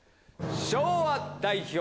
昭和代表